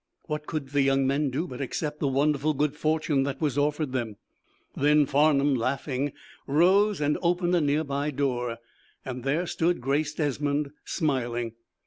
What could the young men do but accept the wonderful good fortune that was offered them? Then Farnum, laughing, rose and opened a nearby door. There stood Grace Desmond smiling.